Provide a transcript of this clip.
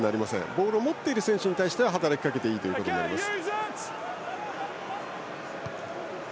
ボールを持っている選手に対しては働きかけていいことになります。